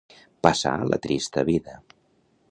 Passar la trista vida.